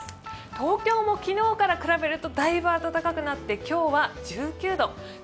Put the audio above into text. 東京も昨日から比べるとだいぶ暖かくなって、今日は１９度。